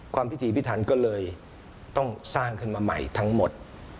พิธีพิทันก็เลยต้องสร้างขึ้นมาใหม่ทั้งหมด